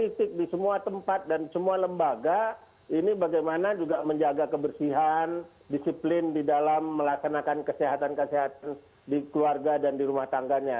titik di semua tempat dan semua lembaga ini bagaimana juga menjaga kebersihan disiplin di dalam melaksanakan kesehatan kesehatan di keluarga dan di rumah tangganya